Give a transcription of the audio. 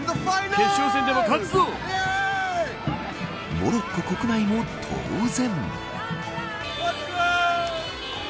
モロッコ国内も当然。